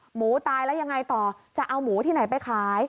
หมูตายแล้วยังไงต่อจะเอาหมูที่ไหนไปขาย